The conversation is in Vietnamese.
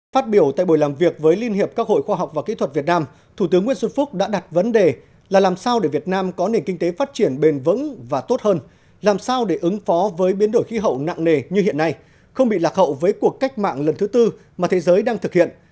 phát biểu tại buổi làm việc với liên hiệp các hội khoa học và kỹ thuật việt nam thủ tướng nguyễn xuân phúc đã đặt vấn đề là làm sao để việt nam có nền kinh tế phát triển bền vững và tốt hơn làm sao để ứng phó với biến đổi khí hậu nặng nề như hiện nay không bị lạc hậu với cuộc cách mạng lần thứ tư mà thế giới đang thực hiện